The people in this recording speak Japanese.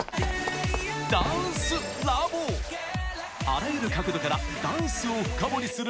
あらゆる角度からダンスを深掘りする